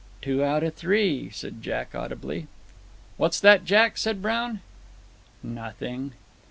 "Two out of three," said Jack, audibly. "What's that, Jack?" said Brown. "Nothing."